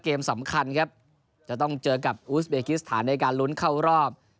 เกมสำคัญครับจะต้องเจอกับอูสเบกิสถานในการลุ้นเข้ารอบ